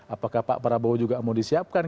apakah pak prabowo juga mau disiapkan